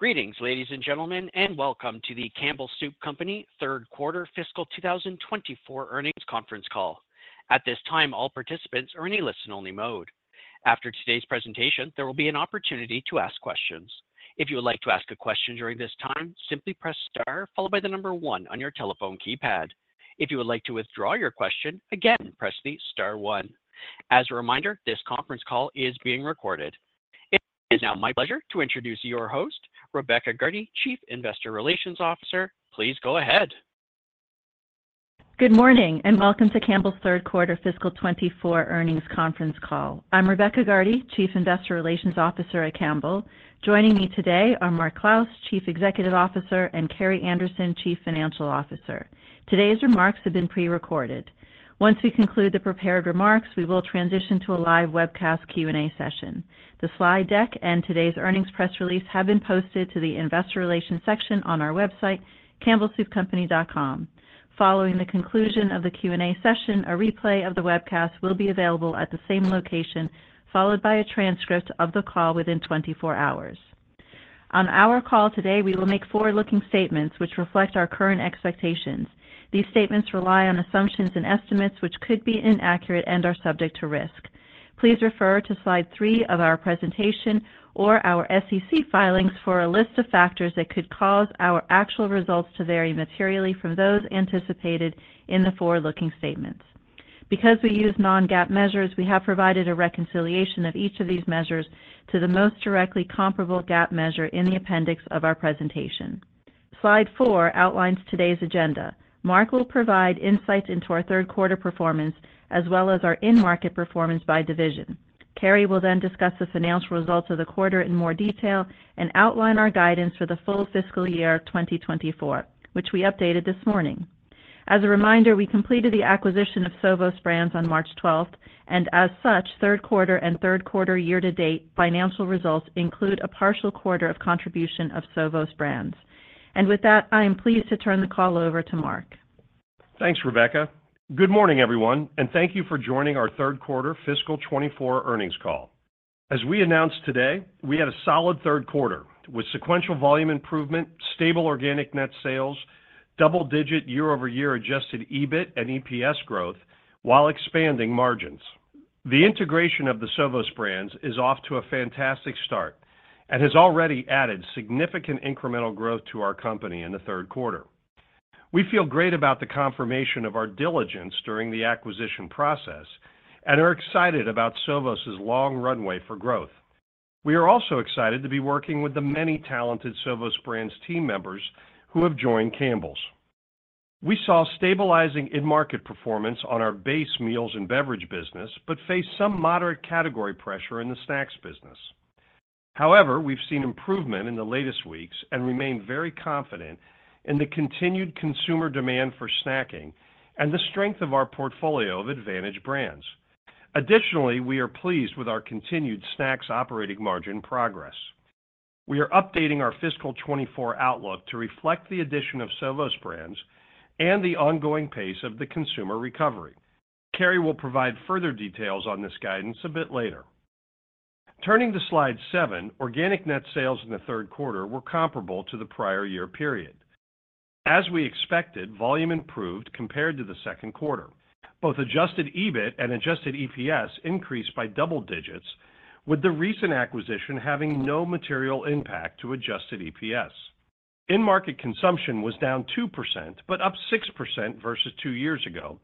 Greetings, ladies, and gentlemen, and welcome to the Campbell Soup Company Third Quarter Fiscal 2024 Earnings Conference Call. At this time, all participants are in a listen-only mode. After today's presentation, there will be an opportunity to ask questions. If you would like to ask a question during this time, simply press star followed by the number one on your telephone keypad. If you would like to withdraw your question, again, press the star one. As a reminder, this conference call is being recorded. It is now my pleasure to introduce your host, Rebecca Gardy, Chief Investor Relations Officer. Please go ahead. Good morning, and welcome to Campbell's Third Quarter Fiscal 2024 Earnings Conference Call. I'm Rebecca Gardy, Chief Investor Relations Officer at Campbell. Joining me today are Mark Clouse, Chief Executive Officer, and Carrie Anderson, Chief Financial Officer. Today's remarks have been prerecorded. Once we conclude the prepared remarks, we will transition to a live webcast Q&A session. The slide deck and today's earnings press release have been posted to the investor relations section on our website, campbellsoupcompany.com. Following the conclusion of the Q&A session, a replay of the webcast will be available at the same location, followed by a transcript of the call within 24 hours. On our call today, we will make forward-looking statements which reflect our current expectations. These statements rely on assumptions and estimates, which could be inaccurate and are subject to risk. Please refer to slide three of our presentation or our SEC filings for a list of factors that could cause our actual results to vary materially from those anticipated in the forward-looking statements. Because we use non-GAAP measures, we have provided a reconciliation of each of these measures to the most directly comparable GAAP measure in the appendix of our presentation. Slide four outlines today's agenda. Mark will provide insights into our third quarter performance, as well as our in-market performance by division. Carrie will then discuss the financial results of the quarter in more detail and outline our guidance for the full fiscal year 2024, which we updated this morning. As a reminder, we completed the acquisition of Sovos Brands on March 12, and as such, third quarter and third quarter year-to-date financial results include a partial quarter of contribution of Sovos Brands. With that, I am pleased to turn the call over to Mark. Thanks, Rebecca. Good morning, everyone, and thank you for joining our Third Quarter Fiscal 2024 Earnings Call. As we announced today, we had a solid third quarter with sequential volume improvement, stable organic net sales, double-digit year-over-year Adjusted EBIT and EPS growth while expanding margins. The integration of the Sovos Brands is off to a fantastic start and has already added significant incremental growth to our company in the third quarter. We feel great about the confirmation of our diligence during the acquisition process and are excited about Sovos' long runway for growth. We are also excited to be working with the many talented Sovos Brands team members who have joined Campbell's. We saw stabilizing in-market performance on our base meals and beverage business, but faced some moderate category pressure in the snacks business. However, we've seen improvement in the latest weeks and remain very confident in the continued consumer demand for snacking and the strength of our portfolio of advantage brands. Additionally, we are pleased with our continued snacks operating margin progress. We are updating our fiscal 2024 outlook to reflect the addition of Sovos Brands and the ongoing pace of the consumer recovery. Carrie will provide further details on this guidance a bit later. Turning to slide seven, organic net sales in the third quarter were comparable to the prior year period. As we expected, volume improved compared to the second quarter. Both Adjusted EBIT and Adjusted EPS increased by double digits, with the recent acquisition having no material impact to Adjusted EPS. in-market consumption was down 2%, but up 6% versus two-years ago,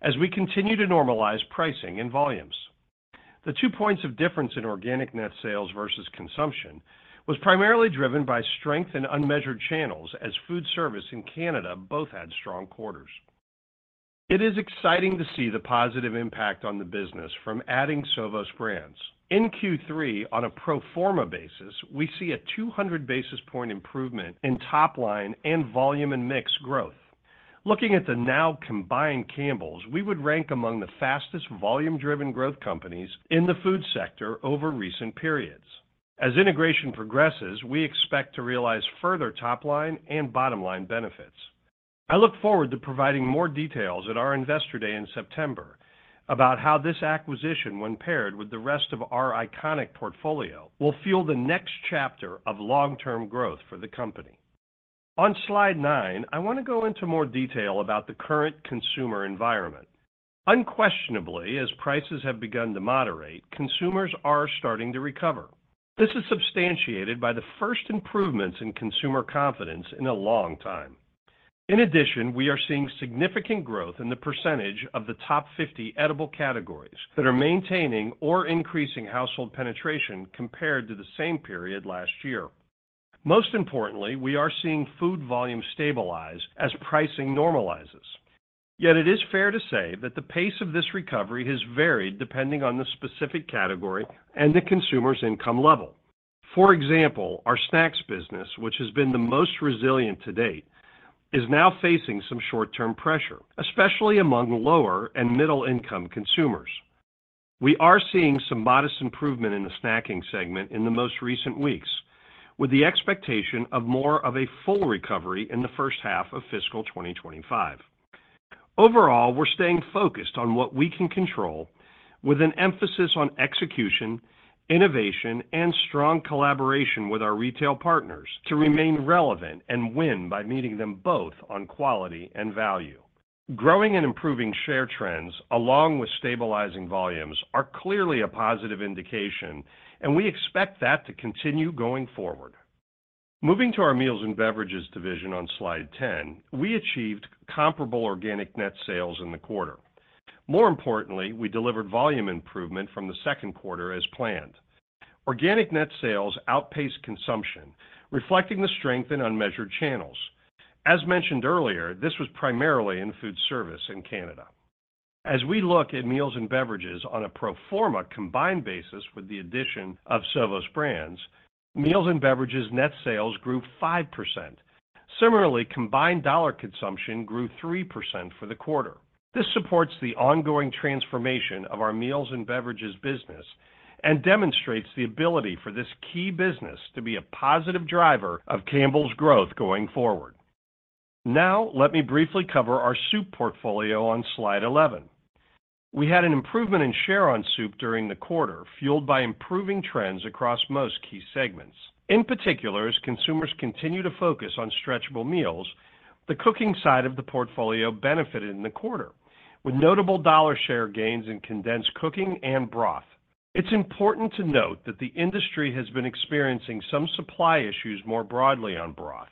as we continue to normalize pricing and volumes. The two points of difference in organic net sales versus consumption was primarily driven by strength in unmeasured channels, as Foodservice in Canada both had strong quarters. It is exciting to see the positive impact on the business from adding Sovos Brands. In Q3, on a pro forma basis, we see a 200 basis point improvement in top line and volume and mix growth. Looking at the now combined Campbell's, we would rank among the fastest volume-driven growth companies in the food sector over recent periods. As integration progresses, we expect to realize further top line and bottom-line benefits. I look forward to providing more details at our Investor Day in September about how this acquisition, when paired with the rest of our iconic portfolio, will fuel the next chapter of long-term growth for the company. On Slide nine, I want to go into more detail about the current consumer environment. Unquestionably, as prices have begun to moderate, consumers are starting to recover. This is substantiated by the first improvements in consumer confidence in a long time. In addition, we are seeing significant growth in the percentage of the top 50 edible categories that are maintaining or increasing household penetration compared to the same period last year. Most importantly, we are seeing food volume stabilize as pricing normalizes. Yet it is fair to say that the pace of this recovery has varied depending on the specific category and the consumer's income level. For example, our snacks business, which has been the most resilient to date, is now facing some short-term pressure, especially among lower and middle-income consumers. We are seeing some modest improvement in the snacking segment in the most recent weeks, with the expectation of more of a full recovery in the first half of fiscal 2025. Overall, we're staying focused on what we can control with an emphasis on execution, innovation, and strong collaboration with our retail partners to remain relevant and win by meeting them both on quality and value. Growing and improving share trends, along with stabilizing volumes, are clearly a positive indication, and we expect that to continue going forward. Moving to our Meals and Beverages division on Slide 10, we achieved comparable organic net sales in the quarter. More importantly, we delivered volume improvement from the second quarter as planned. Organic net sales outpaced consumption, reflecting the strength in unmeasured channels. As mentioned earlier, this was primarily in Foodservice and Canada. As we look at Meals and Beverages on a pro forma combined basis with the addition of Sovos Brands, Meals and Beverages net sales grew 5%. Similarly, combined dollar consumption grew 3% for the quarter. This supports the ongoing transformation of our Meals and Beverages business and demonstrates the ability for this key business to be a positive driver of Campbell's growth going forward. Now, let me briefly cover our soup portfolio on Slide 11. We had an improvement in share on soup during the quarter, fueled by improving trends across most key segments. In particular, as consumers continue to focus on stretchable meals, the cooking side of the portfolio benefited in the quarter, with notable dollar share gains in condensed cooking and broth. It's important to note that the industry has been experiencing some supply issues more broadly on broth.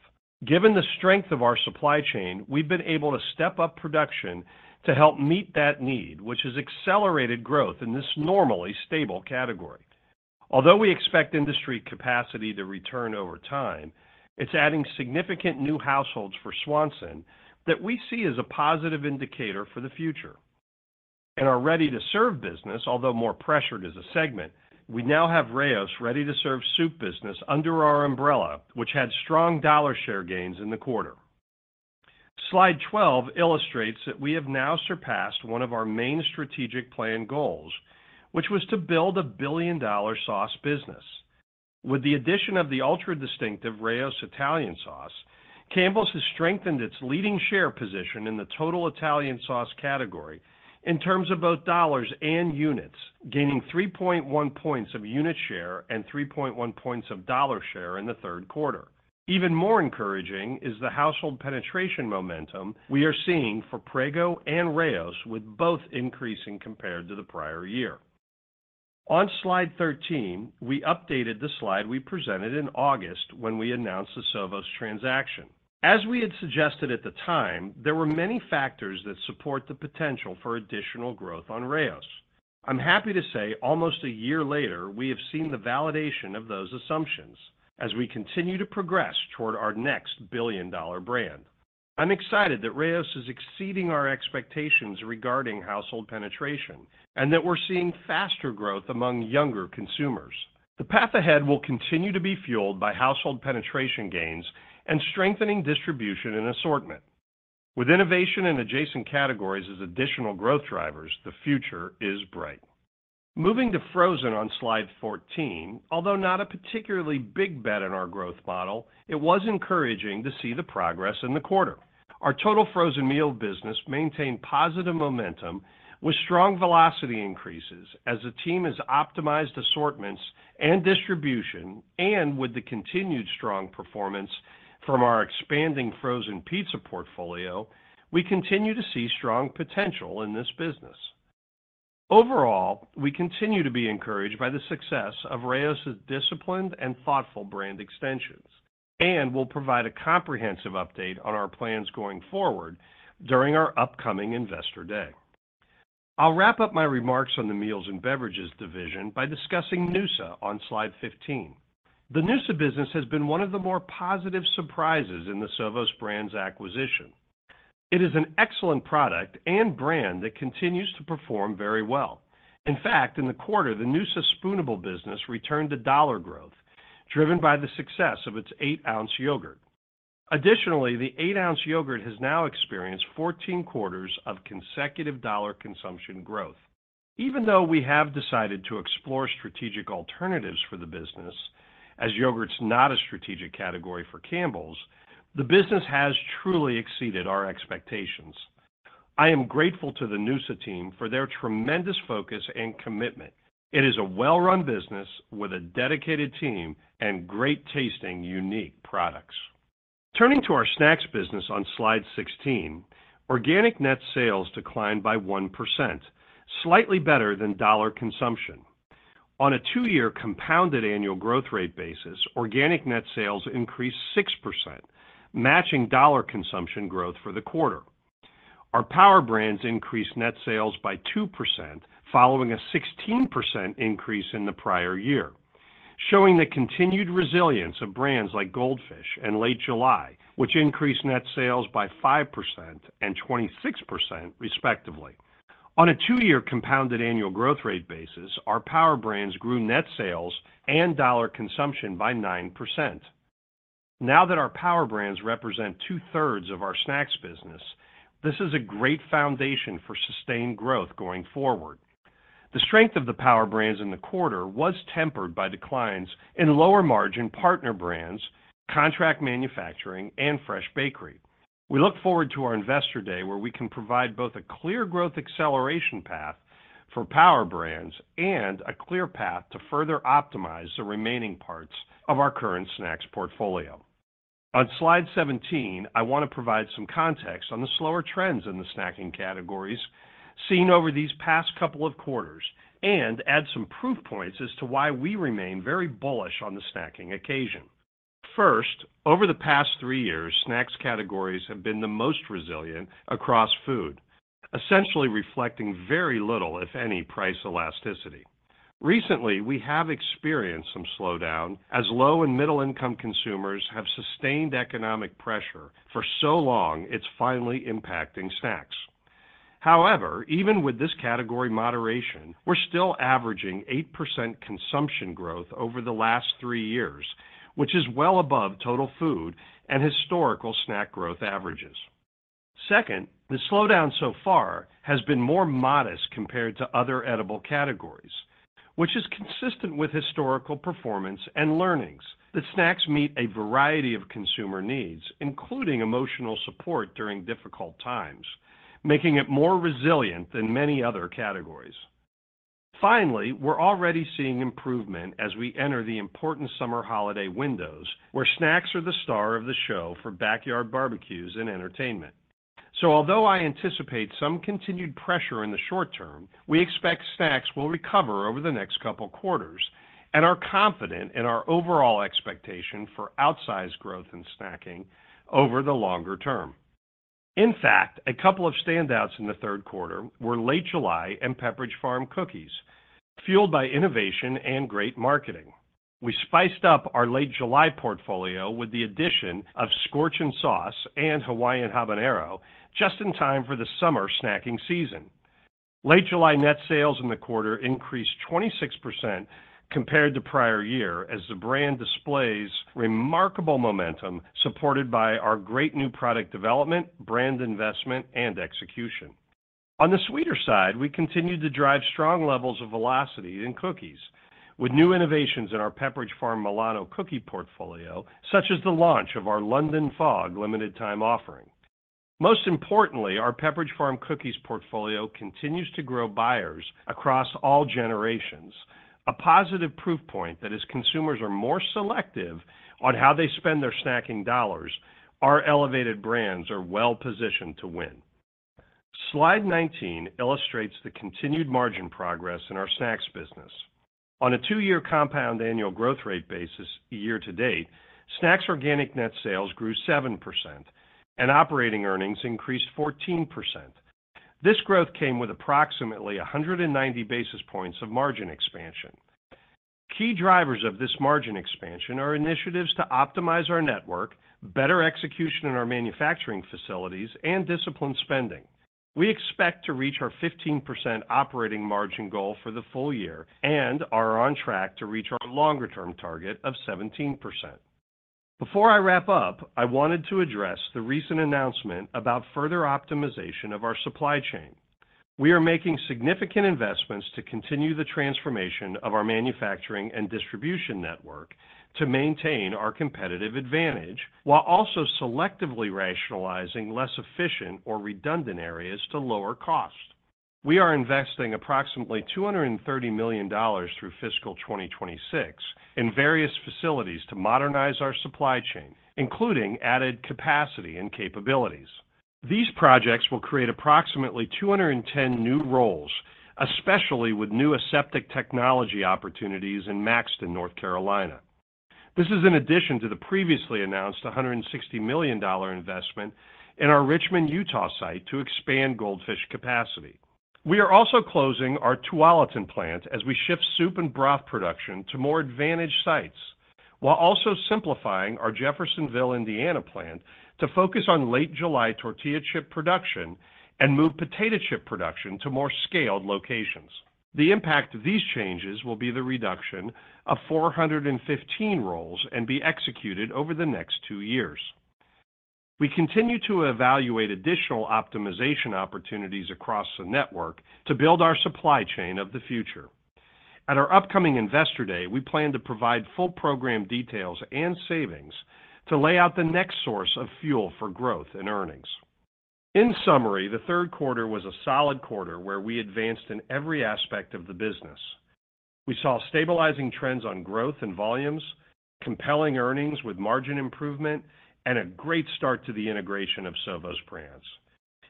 Given the strength of our supply chain, we've been able to step up production to help meet that need, which has accelerated growth in this normally stable category. Although we expect industry capacity to return over time, it's adding significant new households for Swanson that we see as a positive indicator for the future. In our ready-to-serve business, although more pressured as a segment, we now have Rao's ready-to-serve soup business under our umbrella, which had strong dollar share gains in the quarter. Slide 12 illustrates that we have now surpassed one of our main strategic plan goals, which was to build a billion-dollar sauce business. With the addition of the ultra-distinctive Rao's Italian sauce, Campbell's has strengthened its leading share position in the total Italian sauce category in terms of both dollars and units, gaining 3.1 points of unit share and 3.1 points of dollar share in the third quarter. Even more encouraging is the household penetration momentum we are seeing for Prego and Rao's, with both increasing compared to the prior year. On Slide 13, we updated the slide we presented in August when we announced the Sovos transaction. As we had suggested at the time, there were many factors that support the potential for additional growth on Rao's. I'm happy to say, almost a year later, we have seen the validation of those assumptions as we continue to progress toward our next billion-dollar brand. I'm excited that Rao's is exceeding our expectations regarding household penetration and that we're seeing faster growth among younger consumers. The path ahead will continue to be fueled by household penetration gains and strengthening distribution and assortment. With innovation in adjacent categories as additional growth drivers, the future is bright. Moving to Frozen on Slide 14, although not a particularly big bet in our growth model, it was encouraging to see the progress in the quarter. Our total frozen meal business maintained positive momentum with strong velocity increases as the team has optimized assortments and distribution, and with the continued strong performance from our expanding frozen pizza portfolio, we continue to see strong potential in this business. Overall, we continue to be encouraged by the success of Rao's disciplined and thoughtful brand extensions, and we'll provide a comprehensive update on our plans going forward during our upcoming Investor Day. I'll wrap up my remarks on the Meals and Beverages division by discussing Noosa on Slide 15. The Noosa business has been one of the more positive surprises in the Sovos Brands acquisition. It is an excellent product and brand that continues to perform very well. In fact, in the quarter, the Noosa spoonable business returned to dollar growth, driven by the success of its 8 oz yogurt. Additionally, the 8 oz yogurt has now experienced 14 quarters of consecutive dollar consumption growth. Even though we have decided to explore strategic alternatives for the business, as yogurt's not a strategic category for Campbell's, the business has truly exceeded our expectations. I am grateful to the Noosa team for their tremendous focus and commitment. It is a well-run business with a dedicated team and great-tasting, unique products. Turning to our snacks business on Slide 16, organic net sales declined by 1%, slightly better than dollar consumption. On a two-year compound annual growth rate basis, organic net sales increased 6%, matching dollar consumption growth for the quarter. Our Power Brands increased net sales by 2%, following a 16% increase in the prior year, showing the continued resilience of brands like Goldfish and Late July, which increased net sales by 5% and 26% respectively. On a two-year compound annual growth rate basis, our Power Brands grew net sales and dollar consumption by 9%. Now that our Power Brands represent two-thirds of our snacks business, this is a great foundation for sustained growth going forward.... The strength of the Power Brands in the quarter was tempered by declines in lower-margin partner brands, contract manufacturing, and fresh bakery. We look forward to our Investor Day, where we can provide both a clear growth acceleration path for Power Brands and a clear path to further optimize the remaining parts of our current snacks portfolio. On slide 17, I want to provide some context on the slower trends in the snacking categories seen over these past couple of quarters and add some proof points as to why we remain very bullish on the snacking occasion. First, over the past three-years, snacks categories have been the most resilient across food, essentially reflecting very little, if any, price elasticity. Recently, we have experienced some slowdown as low and middle-income consumers have sustained economic pressure for so long, it's finally impacting snacks. However, even with this category moderation, we're still averaging 8% consumption growth over the last three-years, which is well above total food and historical snack growth averages. Second, the slowdown so far has been more modest compared to other edible categories, which is consistent with historical performance and learnings, that snacks meet a variety of consumer needs, including emotional support during difficult times, making it more resilient than many other categories. Finally, we're already seeing improvement as we enter the important summer holiday windows, where snacks are the star of the show for backyard barbecues and entertainment. So although I anticipate some continued pressure in the short term, we expect snacks will recover over the next couple quarters and are confident in our overall expectation for outsized growth in snacking over the longer term. In fact, a couple of standouts in the third quarter were Late July and Pepperidge Farm cookies, fueled by innovation and great marketing. We spiced up our Late July portfolio with the addition of Scorchin' Sauce and Hawaiian Habanero just in time for the summer snacking season. Late July net sales in the quarter increased 26% compared to prior year, as the brand displays remarkable momentum, supported by our great new product development, brand investment, and execution. On the sweeter side, we continued to drive strong levels of velocity in cookies with new innovations in our Pepperidge Farm Milano cookie portfolio, such as the launch of our London Fog limited time offering. Most importantly, our Pepperidge Farm cookies portfolio continues to grow buyers across all generations, a positive proof point that as consumers are more selective on how they spend their snacking dollars, our elevated brands are well positioned to win. Slide 19 illustrates the continued margin progress in our snacks business. On a two-year compound annual growth rate basis, year-to-date, snacks organic net sales grew 7% and operating earnings increased 14%. This growth came with approximately 190 basis points of margin expansion. Key drivers of this margin expansion are initiatives to optimize our network, better execution in our manufacturing facilities, and disciplined spending. We expect to reach our 15% operating margin goal for the full year and are on track to reach our longer-term target of 17%. Before I wrap up, I wanted to address the recent announcement about further optimization of our supply chain. We are making significant investments to continue the transformation of our manufacturing and distribution network to maintain our competitive advantage, while also selectively rationalizing less efficient or redundant areas to lower cost. We are investing approximately $230 million through fiscal 2026 in various facilities to modernize our supply chain, including added capacity and capabilities. These projects will create approximately 210 new roles, especially with new aseptic technology opportunities in Maxton, North Carolina. This is in addition to the previously announced $160 million investment in our Richmond, Utah site to expand Goldfish capacity. We are also closing our Tualatin plant as we shift soup and broth production to more advantaged sites, while also simplifying our Jeffersonville, Indiana plant to focus on Late July tortilla chip production and move potato chip production to more scaled locations. The impact of these changes will be the reduction of 415 roles and be executed over the next two years. We continue to evaluate additional optimization opportunities across the network to build our supply chain of the future. At our upcoming Investor Day, we plan to provide full program details and savings to lay out the next source of fuel for growth and earnings. In summary, the third quarter was a solid quarter where we advanced in every aspect of the business. We saw stabilizing trends on growth and volumes, compelling earnings with margin improvement, and a great start to the integration of Sovos Brands.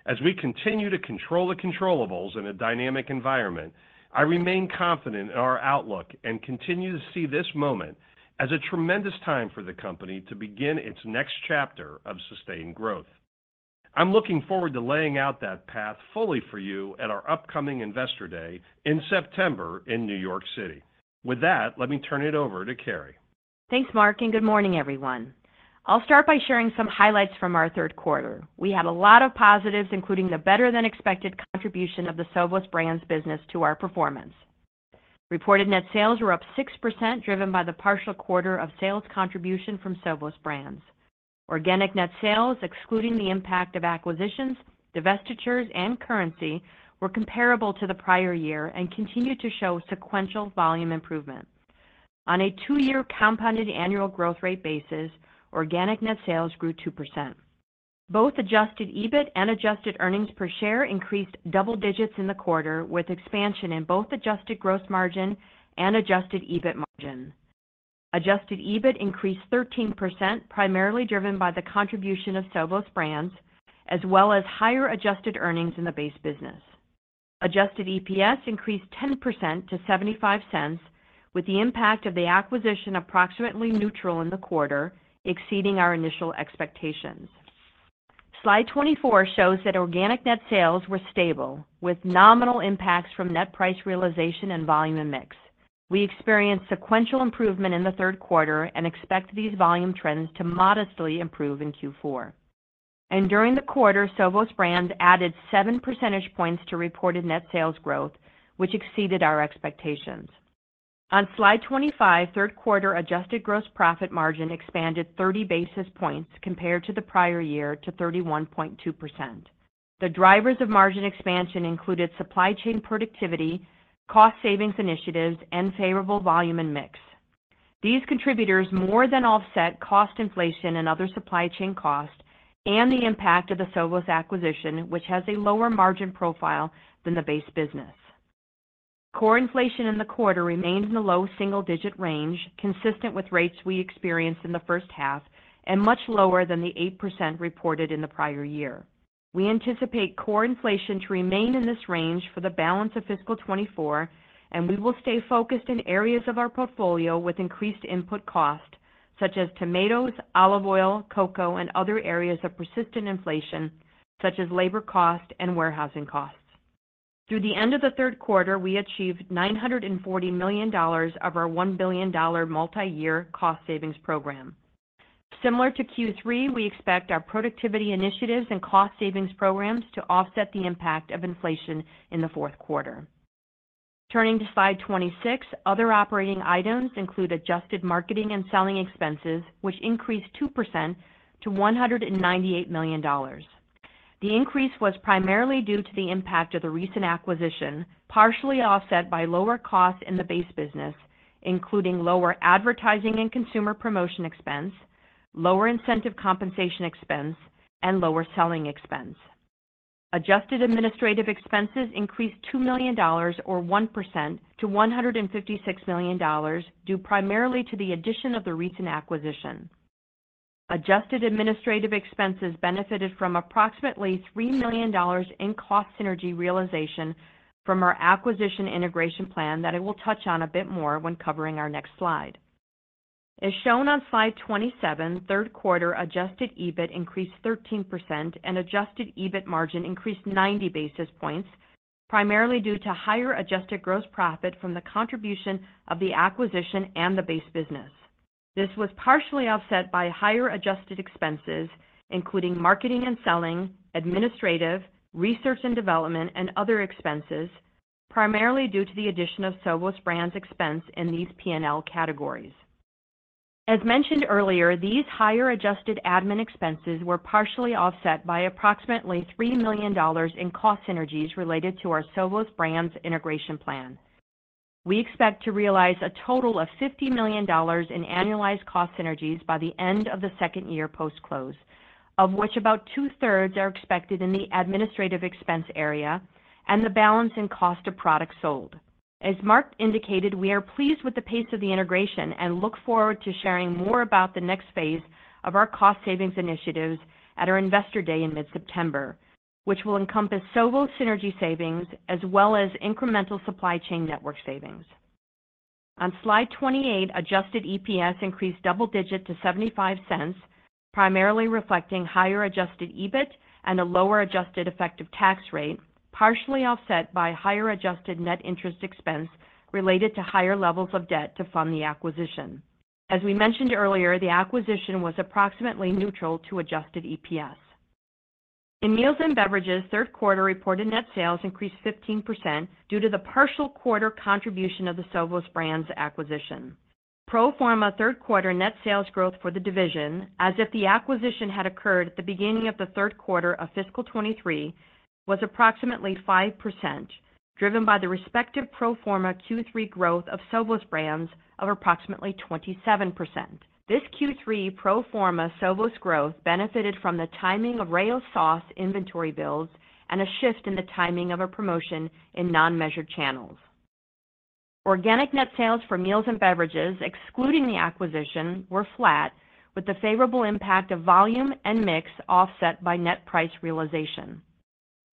As we continue to control the controllables in a dynamic environment, I remain confident in our outlook and continue to see this moment as a tremendous time for the company to begin its next chapter of sustained growth. I'm looking forward to laying out that path fully for you at our upcoming Investor Day in September in New York City. With that, let me turn it over to Carrie. Thanks, Mark, and good morning, everyone. I'll start by sharing some highlights from our third quarter. We had a lot of positives, including the better-than-expected contribution of the Sovos Brands business to our performance. Reported net sales were up 6%, driven by the partial quarter of sales contribution from Sovos Brands. Organic net sales, excluding the impact of acquisitions, divestitures, and currency, were comparable to the prior year and continued to show sequential volume improvement. On a two-year compounded annual growth rate basis, organic net sales grew 2%. Both Adjusted EBIT and adjusted earnings per share increased double digits in the quarter, with expansion in both adjusted gross margin and Adjusted EBIT margin. Adjusted EBIT increased 13%, primarily driven by the contribution of Sovos Brands, as well as higher adjusted earnings in the base business. Adjusted EPS increased 10% to $0.75, with the impact of the acquisition approximately neutral in the quarter, exceeding our initial expectations. Slide 24 shows that organic net sales were stable, with nominal impacts from net price realization and volume and mix. We experienced sequential improvement in the third quarter and expect these volume trends to modestly improve in Q4. And during the quarter, Sovos Brands added 7 percentage points to reported net sales growth, which exceeded our expectations. On Slide 25, third quarter adjusted gross profit margin expanded 30 basis points compared to the prior year to 31.2%. The drivers of margin expansion included supply chain productivity, cost savings initiatives, and favorable volume and mix. These contributors more than offset cost inflation and other supply chain costs and the impact of the Sovos acquisition, which has a lower margin profile than the base business. Core inflation in the quarter remained in the low single-digit range, consistent with rates we experienced in the first half and much lower than the 8% reported in the prior year. We anticipate core inflation to remain in this range for the balance of fiscal 2024, and we will stay focused in areas of our portfolio with increased input cost, such as tomatoes, olive oil, cocoa, and other areas of persistent inflation, such as labor cost and warehousing costs. Through the end of the third quarter, we achieved $940 million of our $1 billion multiyear cost savings program. Similar to Q3, we expect our productivity initiatives and cost savings programs to offset the impact of inflation in the fourth quarter. Turning to Slide 26, other operating items include adjusted marketing and selling expenses, which increased 2% to $198 million. The increase was primarily due to the impact of the recent acquisition, partially offset by lower costs in the base business, including lower advertising and consumer promotion expense, lower incentive compensation expense, and lower selling expense. Adjusted administrative expenses increased $2 million, or 1%, to $156 million, due primarily to the addition of the recent acquisition. Adjusted administrative expenses benefited from approximately $3 million in cost synergy realization from our acquisition integration plan that I will touch on a bit more when covering our next slide. As shown on Slide 27, third quarter Adjusted EBIT increased 13% and Adjusted EBIT margin increased 90 basis points, primarily due to higher adjusted gross profit from the contribution of the acquisition and the base business. This was partially offset by higher adjusted expenses, including marketing and selling, administrative, research and development, and other expenses, primarily due to the addition of Sovos Brands expense in these PNL categories. As mentioned earlier, these higher adjusted admin expenses were partially offset by approximately $3 million in cost synergies related to our Sovos Brands integration plan. We expect to realize a total of $50 million in annualized cost synergies by the end of the second year post-close, of which about two-thirds are expected in the administrative expense area and the balance in cost of product sold. As Mark indicated, we are pleased with the pace of the integration and look forward to sharing more about the next phase of our cost savings initiatives at our Investor Day in mid-September, which will encompass Sovos synergy savings as well as incremental supply chain network savings. On Slide 28 Adjusted EPS increased double-digit to $0.75, primarily reflecting higher Adjusted EBIT and a lower adjusted effective tax rate, partially offset by higher adjusted net interest expense related to higher levels of debt to fund the acquisition. As we mentioned earlier, the acquisition was approximately neutral Adjusted EPS. In Meals and Beverages, third quarter reported net sales increased 15% due to the partial quarter contribution of the Sovos Brands acquisition. Pro forma third quarter net sales growth for the division, as if the acquisition had occurred at the beginning of the third quarter of fiscal 2023, was approximately 5%, driven by the respective pro forma Q3 growth of Sovos Brands of approximately 27%. This Q3 pro forma Sovos growth benefited from the timing of Rao's sauce inventory builds and a shift in the timing of a promotion in unmeasured channels. Organic net sales for Meals and Beverages, excluding the acquisition, were flat, with the favorable impact of volume and mix offset by net price realization.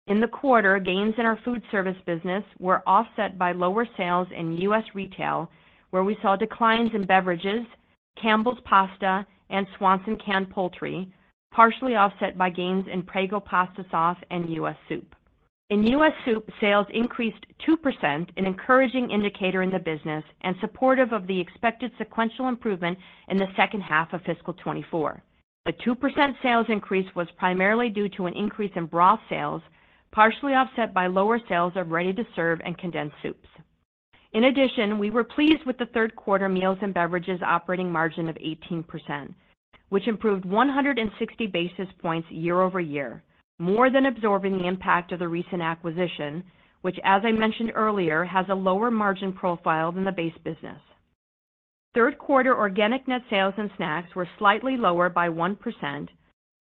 In the quarter, gains in our Foodservice business were offset by lower sales in U.S. Retail, where we saw declines in beverages, Campbell's pasta, and Swanson canned poultry, partially offset by gains in Prego pasta sauce and U.S. Soup. In U.S. Soup, sales increased 2%, an encouraging indicator in the business and supportive of the expected sequential improvement in the second half of fiscal 2024.... The 2% sales increase was primarily due to an increase in broth sales, partially offset by lower sales of ready-to-serve and condensed soups. In addition, we were pleased with the third quarter Meals and Beverages operating margin of 18%, which improved 160 basis points year-over-year, more than absorbing the impact of the recent acquisition, which, as I mentioned earlier, has a lower margin profile than the base business. Third quarter organic net sales in snacks were slightly lower by 1%,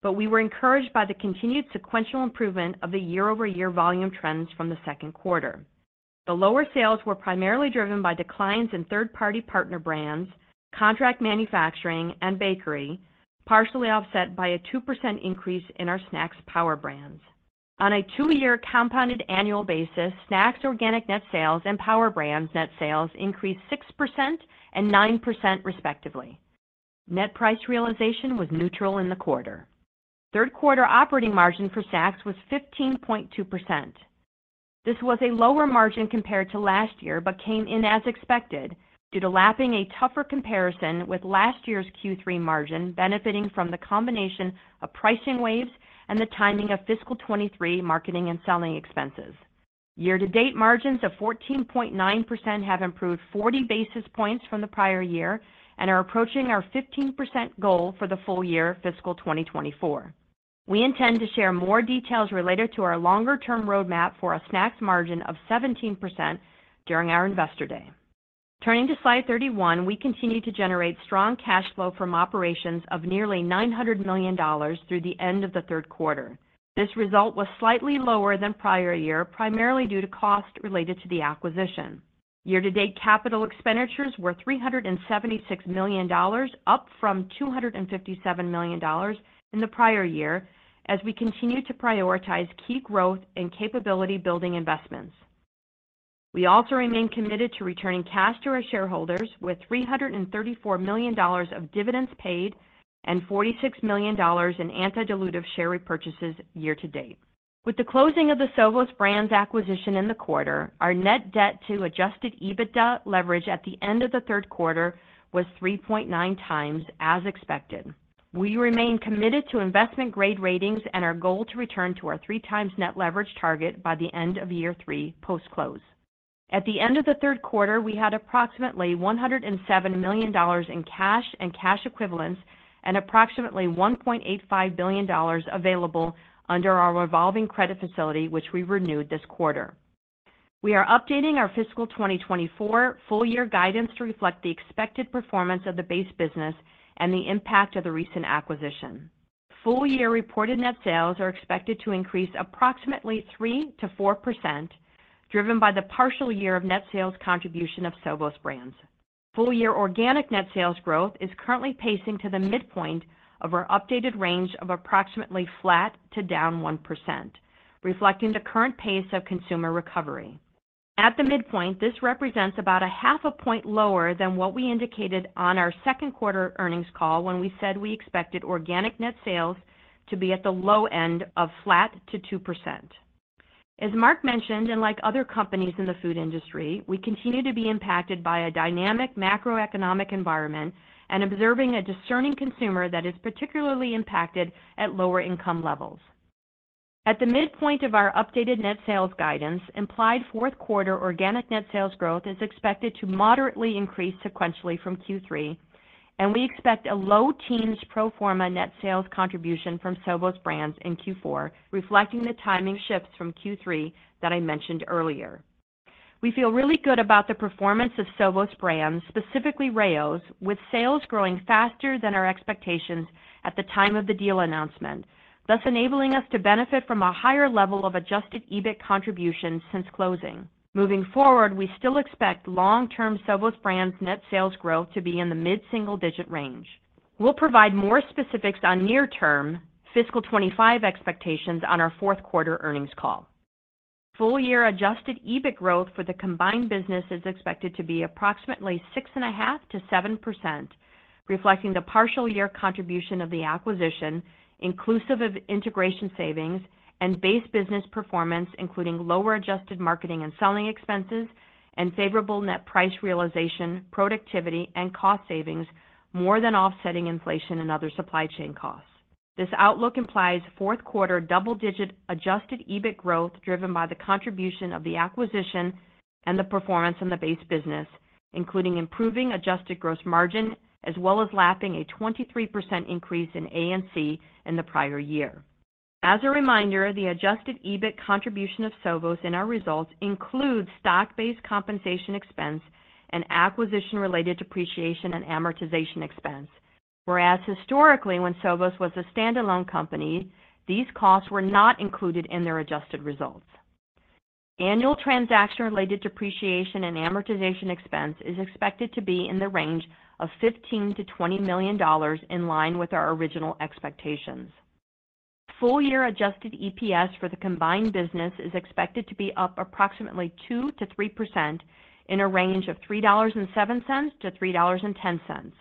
but we were encouraged by the continued sequential improvement of the year-over-year volume trends from the second quarter. The lower sales were primarily driven by declines in third-party partner brands, contract manufacturing, and bakery, partially offset by a 2% increase in our snacks power brands. On a two-year compounded annual basis, snacks organic net sales and power brands net sales increased 6% and 9%, respectively. Net price realization was neutral in the quarter. Third quarter operating margin for snacks was 15.2%. This was a lower margin compared to last year, but came in as expected, due to lapping a tougher comparison with last year's Q3 margin, benefiting from the combination of pricing waves and the timing of fiscal 2023 marketing and selling expenses. Year-to-date margins of 14.9% have improved 40 basis points from the prior year and are approaching our 15% goal for the full year fiscal 2024. We intend to share more details related to our longer-term roadmap for a snacks margin of 17% during our Investor Day. Turning to Slide 31, we continue to generate strong cash flow from operations of nearly $900 million through the end of the third quarter. This result was slightly lower than prior year, primarily due to cost related to the acquisition. Year-to-date capital expenditures were $376 million, up from $257 million in the prior year, as we continue to prioritize key growth and capability building investments. We also remain committed to returning cash to our shareholders with $334 million of dividends paid and $46 million in anti-dilutive share repurchases year-to-date. With the closing of the Sovos Brands acquisition in the quarter, our net debt to Adjusted EBITDA leverage at the end of the third quarter was 3.9x as expected. We remain committed to investment grade ratings and our goal to return to our 3x net leverage target by the end of year three post-close. At the end of the third quarter, we had approximately $107 million in cash and cash equivalents and approximately $1.85 billion available under our revolving credit facility, which we renewed this quarter. We are updating our fiscal 2024 full year guidance to reflect the expected performance of the base business and the impact of the recent acquisition. Full year reported net sales are expected to increase approximately 3%-4%, driven by the partial year of net sales contribution of Sovos Brands. Full year organic net sales growth is currently pacing to the midpoint of our updated range of approximately flat to down 1%, reflecting the current pace of consumer recovery. At the midpoint, this represents about 0.5 point lower than what we indicated on our second quarter earnings call when we said we expected organic net sales to be at the low end of flat to 2%. As Mark mentioned, and like other companies in the food industry, we continue to be impacted by a dynamic macroeconomic environment and observing a discerning consumer that is particularly impacted at lower income levels. At the midpoint of our updated net sales guidance, implied fourth quarter organic net sales growth is expected to moderately increase sequentially from Q3, and we expect a low teens pro forma net sales contribution from Sovos Brands in Q4, reflecting the timing shifts from Q3 that I mentioned earlier. We feel really good about the performance of Sovos Brands, specifically Rao's, with sales growing faster than our expectations at the time of the deal announcement, thus enabling us to benefit from a higher level of Adjusted EBIT contribution since closing. Moving forward, we still expect long-term Sovos Brands net sales growth to be in the mid-single-digit range. We'll provide more specifics on near term fiscal 2025 expectations on our fourth quarter earnings call. Full year Adjusted EBIT growth for the combined business is expected to be approximately 6.5%-7%, reflecting the partial year contribution of the acquisition, inclusive of integration savings and base business performance, including lower adjusted marketing and selling expenses and favorable net price realization, productivity and cost savings, more than offsetting inflation and other supply chain costs. This outlook implies fourth quarter double-digit Adjusted EBIT growth, driven by the contribution of the acquisition and the performance in the base business, including improving adjusted gross margin, as well as lapping a 23% increase in A&C in the prior year. As a reminder, the Adjusted EBIT contribution of Sovos in our results includes stock-based compensation expense and acquisition-related depreciation and amortization expense. Whereas historically, when Sovos was a standalone company, these costs were not included in their adjusted results. Annual transaction-related depreciation and amortization expense is expected to be in the range of $15 million-$20 million, in line with our original expectations. Full Adjusted EPS for the combined business is expected to be up approximately 2%-3% in a range of $3.07-$3.10.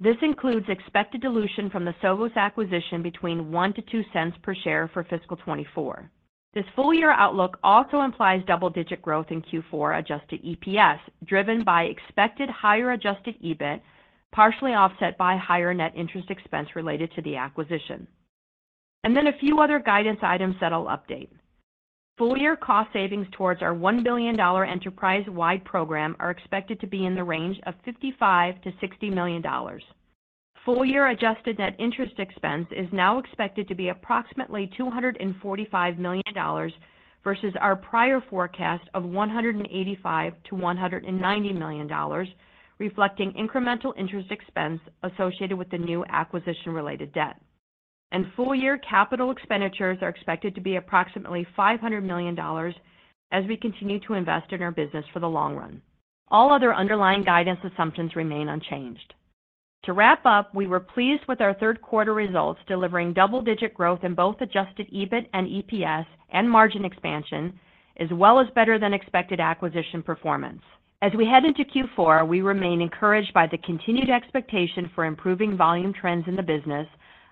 This includes expected dilution from the Sovos acquisition between $0.01-$0.02 per share for Fiscal 2024. This full-year outlook also implies double-digit growth in Adjusted EPS, driven by expected higher Adjusted EBIT, partially offset by higher net interest expense related to the acquisition. Then a few other guidance items that I'll update. Full-year cost savings towards our $1 billion enterprise-wide program are expected to be in the range of $55 million-$60 million. Full-year adjusted net interest expense is now expected to be approximately $245 million versus our prior forecast of $185 million-$190 million, reflecting incremental interest expense associated with the new acquisition-related debt. Full-year capital expenditures are expected to be approximately $500 million as we continue to invest in our business for the long run. All other underlying guidance assumptions remain unchanged. To wrap up, we were pleased with our third quarter results, delivering double-digit growth in both Adjusted EBIT and EPS and margin expansion, as well as better than expected acquisition performance. As we head into Q4, we remain encouraged by the continued expectation for improving volume trends in the business,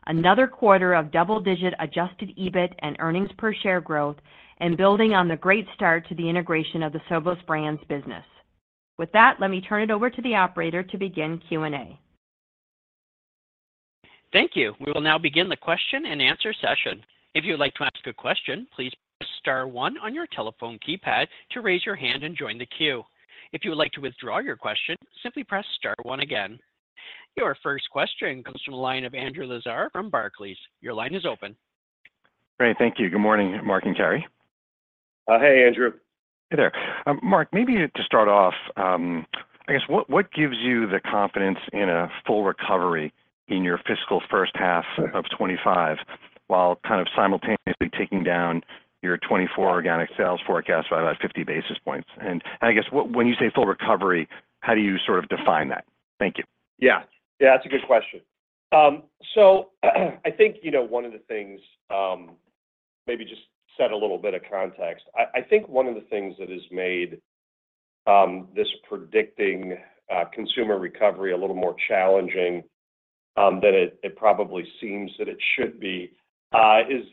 another quarter of double-digit Adjusted EBIT and earnings per share growth, and building on the great start to the integration of the Sovos Brands business. With that, let me turn it over to the Operator to begin Q&A. Thank you. We will now begin the question-and-answer session. If you would like to ask a question, please press star one on your telephone keypad to raise your hand and join the queue. If you would like to withdraw your question, simply press star one again. Your first question comes from the line of Andrew Lazar from Barclays. Your line is open. Great. Thank you. Good morning, Mark and Carrie. Hey, Andrew. Hey there. Mark, maybe to start off, I guess what gives you the confidence in a full recovery in your fiscal first half of 2025, while kind of simultaneously taking down your 2024 organic sales forecast by about 50 basis points? I guess when you say full recovery, how do you sort of define that? Thank you. Yeah. Yeah, that's a good question. So I think, you know, one of the things, maybe just set a little bit of context. I think one of the things that has made this predicting consumer recovery a little more challenging than it probably seems that it should be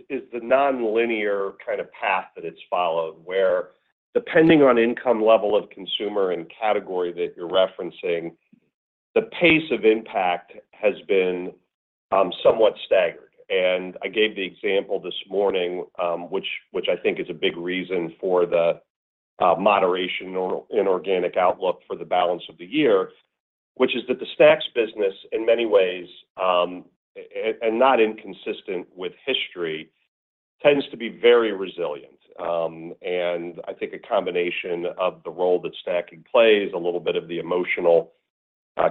is the nonlinear kind of path that it's followed, where depending on income level of consumer and category that you're referencing, the pace of impact has been somewhat staggered. And I gave the example this morning, which I think is a big reason for the moderation in organic outlook for the balance of the year, which is that the snacks business, in many ways, and not inconsistent with history, tends to be very resilient. And I think a combination of the role that snacking plays, a little bit of the emotional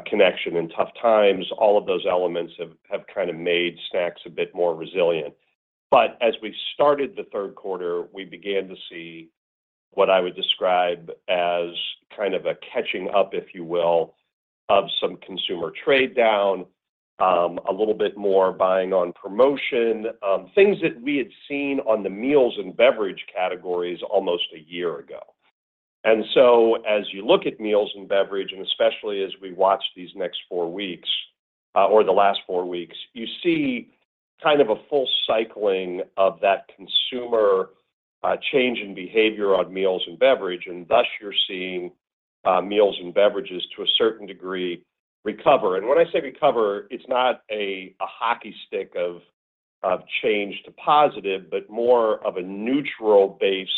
connection in tough times, all of those elements have, have kind of made snacks a bit more resilient. But as we started the third quarter, we began to see what I would describe as kind of a catching up, if you will, of some consumer trade down, a little bit more buying on promotion, things that we had seen on the meals and beverage categories almost a year ago. And so as you look at meals and beverage, and especially as we watch these next four weeks, or the last four weeks, you see kind of a full cycling of that consumer change in behavior on meals and beverage, and thus you're seeing Meals and Beverages to a certain degree, recover. When I say recover, it's not a hockey stick of change to positive, but more of a neutral base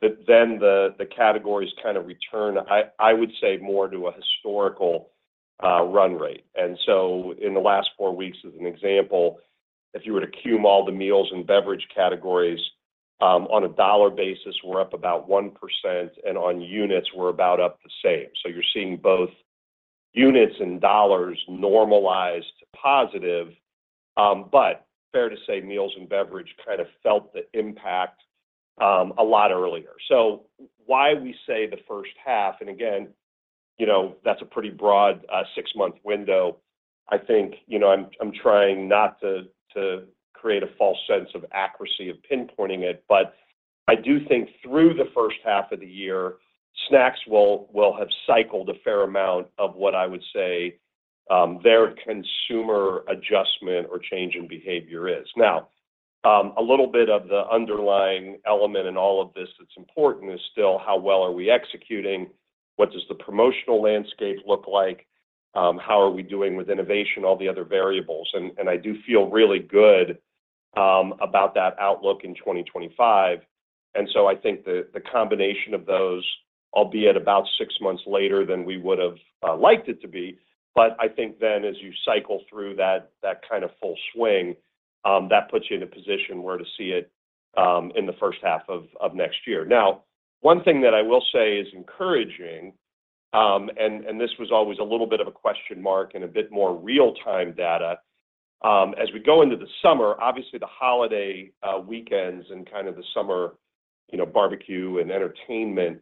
that then the categories kind of return, I would say, more to a historical run rate. So in the last four weeks, as an example, if you were to sum all the meals and beverage categories, on a dollar basis, we're up about 1%, and on units, we're about up the same. So you're seeing both units and dollars normalize to positive. But fair to say, meals and beverage kind of felt the impact a lot earlier. So why we say the first half, and again, you know, that's a pretty broad six-month window. I think, you know, I'm trying not to create a false sense of accuracy of pinpointing it, but I do think through the first half of the year, snacks will have cycled a fair amount of what I would say their consumer adjustment or change in behavior is. Now, a little bit of the underlying element in all of this that's important is still, how well are we executing? What does the promotional landscape look like? How are we doing with innovation, all the other variables? And I do feel really good about that outlook in 2025. And so I think the combination of those, albeit about six months later than we would have liked it to be, but I think then as you cycle through that, that kind of full swing, that puts you in a position where to see it in the first half of next year. Now, one thing that I will say is encouraging, and this was always a little bit of a question mark and a bit more real-time data. As we go into the summer, obviously, the holiday weekends and kind of the summer, you know, barbecue and entertainment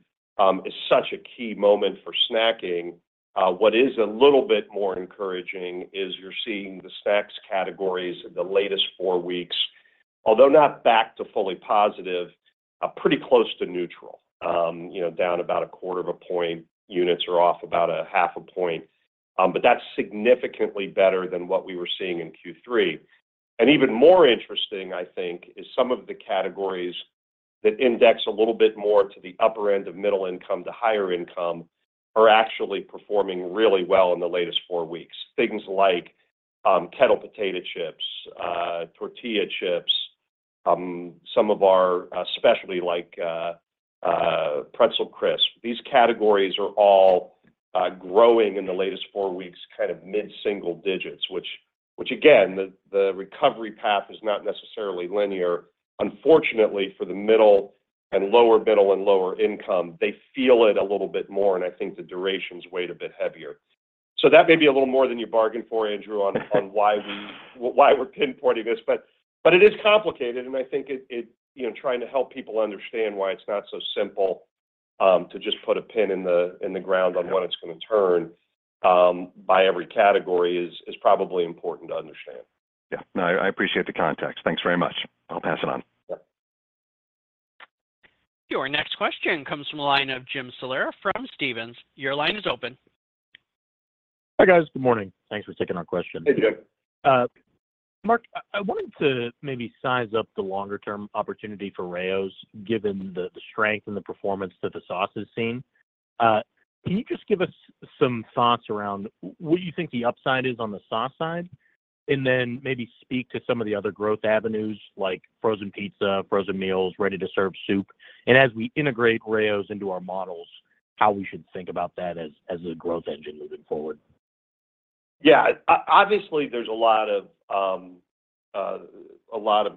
is such a key moment for snacking. What is a little bit more encouraging is you're seeing the snacks categories in the latest four weeks, although not back to fully positive, pretty close to neutral. You know, down about a quarter of a point. Units are off about a half a point. But that's significantly better than what we were seeing in Q3. And even more interesting, I think, is some of the categories that index a little bit more to the upper end of middle income to higher income are actually performing really well in the latest four weeks. Things like, Kettle potato chips, tortilla chips, some of our, specialty like, Pretzel Crisps. These categories are all, growing in the latest four weeks, kind of mid-single digits, which, again, the recovery path is not necessarily linear. Unfortunately for the middle and lower middle and lower income, they feel it a little bit more, and I think the durations weight a bit heavier. So that may be a little more than you bargained for, Andrew, on why we're pinpointing this, but it is complicated, and I think it. You know, trying to help people understand why it's not so simple to just put a pin in the ground on when it's gonna turn by every category is probably important to understand. Yeah. No, I appreciate the context. Thanks very much. I'll pass it on. Yeah. Your next question comes from the line of Jim Salera from Stephens. Your line is open. Hi, guys. Good morning. Thanks for taking our question. Hey, Jim. Mark, I wanted to maybe size up the longer-term opportunity for Rao's, given the strength and the performance that the sauce has seen. Can you just give us some thoughts around what you think the upside is on the sauce side? And then maybe speak to some of the other growth avenues, like frozen pizza, frozen meals, ready-to-serve soup, and as we integrate Rao's into our models, how we should think about that as a growth engine moving forward. Yeah. Obviously, there's a lot of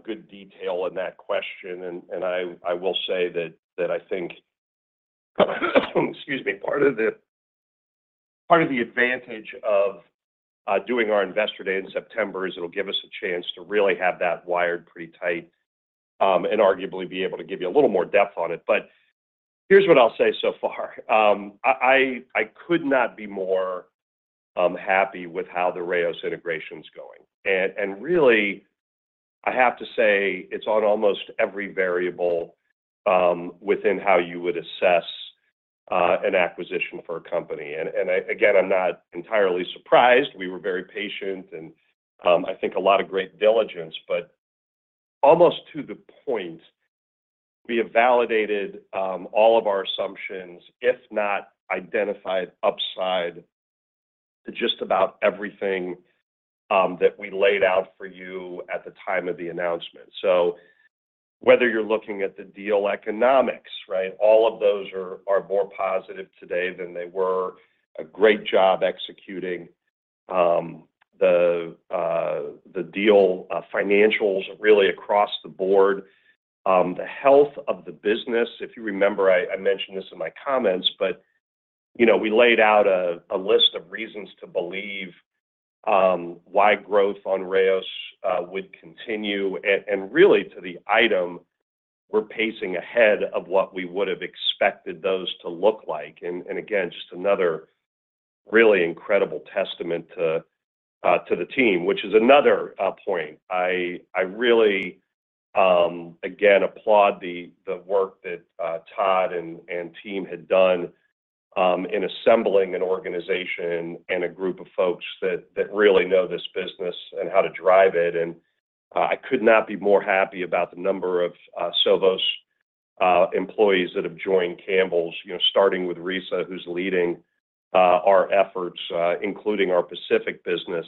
good detail in that question, and I will say that I think, excuse me, part of the advantage of doing our Investor Day in September is it'll give us a chance to really have that wired pretty tight, and arguably be able to give you a little more depth on it. But here's what I'll say so far. I could not be more happy with how the Rao's integration is going. And really, I have to say it's on almost every variable within how you would assess an acquisition for a company. And again, I'm not entirely surprised. We were very patient, and I think a lot of great diligence. But almost to the point, we have validated all of our assumptions, if not identified upside, to just about everything that we laid out for you at the time of the announcement. So whether you're looking at the deal economics, right? All of those are more positive today than they were. A great job executing the deal financials really across the board. The health of the business, if you remember, I mentioned this in my comments, but you know, we laid out a list of reasons to believe why growth on Rao's would continue, and really, to the point, we're pacing ahead of what we would have expected those to look like. And again, just another really incredible testament to the team, which is another point. I really, again, applaud the work that Todd and team had done in assembling an organization and a group of folks that really know this business and how to drive it. And I could not be more happy about the number of Sovos employees that have joined Campbell's. You know, starting with Risa, who's leading our efforts, including our Pacific business,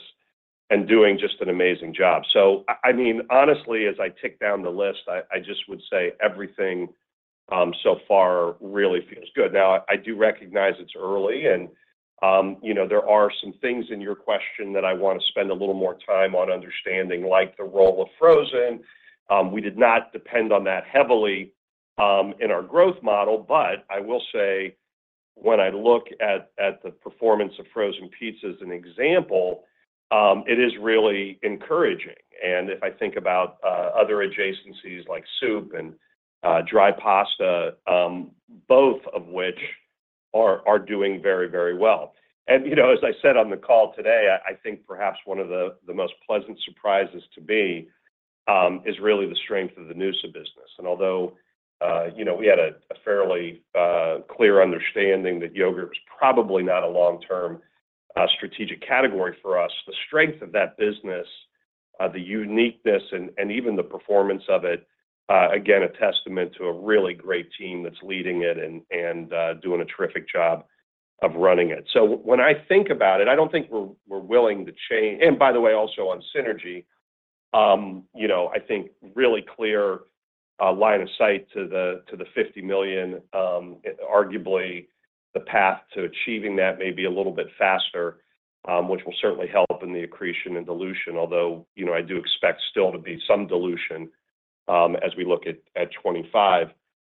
and doing just an amazing job. So I mean, honestly, as I tick down the list, I just would say everything so far really feels good. Now, I do recognize it's early, and you know, there are some things in your question that I want to spend a little more time on understanding, like the role of frozen. We did not depend on that heavily, in our growth model, but I will say when I look at the performance of frozen pizza as an example, it is really encouraging. And if I think about other adjacencies like soup and dry pasta, both of which are doing very, very well. And, you know, as I said on the call today, I think perhaps one of the most pleasant surprises to me is really the strength of the Noosa business. Although, you know, we had a fairly clear understanding that yogurt was probably not a long-term strategic category for us, the strength of that business, the uniqueness and even the performance of it, again, a testament to a really great team that's leading it and doing a terrific job of running it. So when I think about it, I don't think we're willing to change—and by the way, also on synergy, you know, I think really clear line of sight to the $50 million. Arguably, the path to achieving that may be a little bit faster, which will certainly help in the accretion and dilution, although, you know, I do expect still to be some dilution as we look at 25.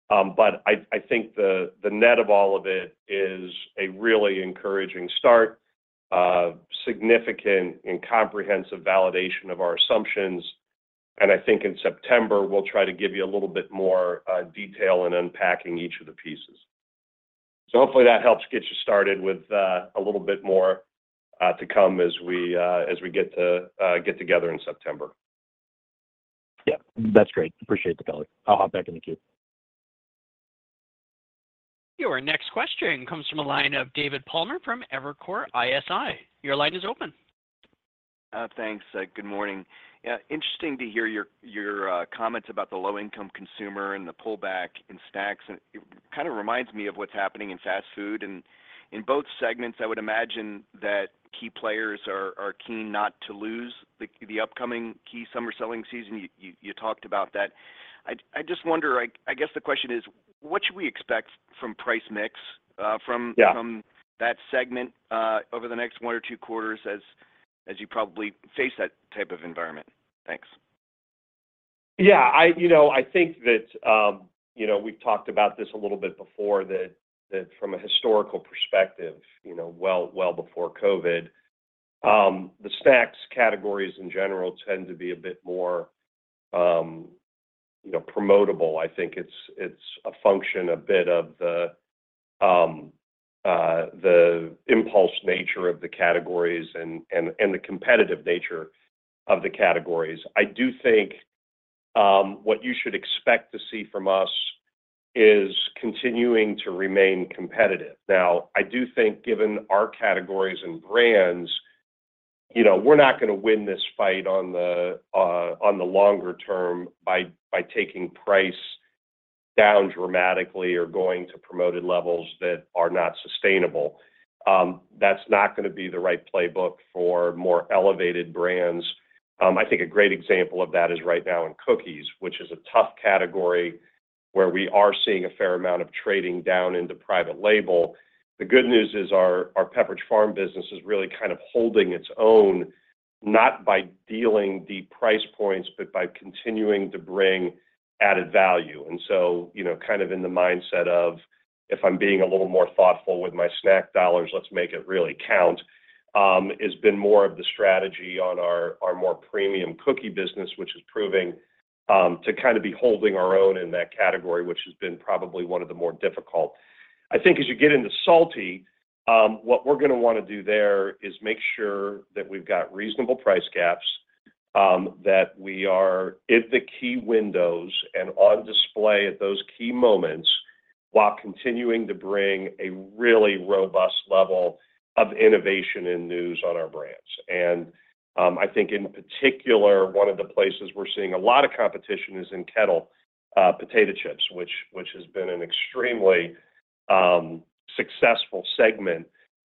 But I think the net of all of it is a really encouraging start, significant and comprehensive validation of our assumptions, and I think in September, we'll try to give you a little bit more detail in unpacking each of the pieces. So hopefully that helps get you started with a little bit more to come as we get together in September. Yeah. That's great. Appreciate the color. I'll hop back in the queue. Your next question comes from the line of David Palmer from Evercore ISI. Your line is open. Thanks, good morning. Yeah, interesting to hear your comments about the low-income consumer and the pullback in snacks, and it kind of reminds me of what's happening in fast food. And in both segments, I would imagine that key players are keen not to lose the upcoming key summer selling season. You talked about that. I just wonder, like, I guess the question is, what should we expect from price mix, from- Yeah -from that segment, over the next one or two quarters as you probably face that type of environment? Thanks. Yeah, I, you know, I think that, you know, we've talked about this a little bit before, that, that from a historical perspective, you know, well, well before COVID, the snacks categories in general tend to be a bit more, you know, promotable. I think it's, it's a function, a bit of the, the impulse nature of the categories and the competitive nature of the categories. I do think, what you should expect to see from us is continuing to remain competitive. Now, I do think given our categories and brands, you know, we're not gonna win this fight on the, on the longer term by taking price down dramatically or going to promoted levels that are not sustainable. That's not gonna be the right playbook for more elevated brands. I think a great example of that is right now in cookies, which is a tough category, where we are seeing a fair amount of trading down into private label. The good news is our, our Pepperidge Farm business is really kind of holding its own, not by dealing the price points, but by continuing to bring added value. And so, you know, kind of in the mindset of, if I'm being a little more thoughtful with my snack dollars, let's make it really count, has been more of the strategy on our, our more premium cookie business, which is proving, to kind of be holding our own in that category, which has been probably one of the more difficult. I think as you get into salty, what we're gonna wanna do there is make sure that we've got reasonable price gaps, that we are in the key windows and on display at those key moments, while continuing to bring a really robust level of innovation and news on our brands. And, I think in particular, one of the places we're seeing a lot of competition is in Kettle potato chips, which has been an extremely successful segment,